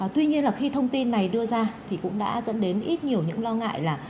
tuy nhiên là khi thông tin này đưa ra thì cũng đã dẫn đến ít nhiều những lo ngại là